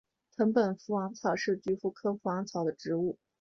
藤本福王草是菊科福王草属的植物。